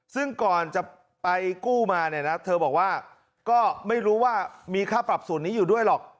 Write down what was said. ซึ่งก่อนจะไปกู้มาเนี่ยนะเธอบอกว่าก็ไม่รู้ว่ามีค่าปรับสูตรนี้อยู่ด้วยหรอก